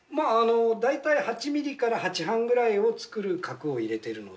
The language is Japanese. だいたい８ｍｍから８半ぐらいを作る核を入れてるので。